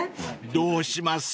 ［どうします？］